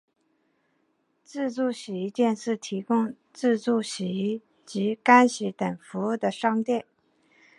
自助洗衣店是提供自助洗衣及干衣等服务的商店。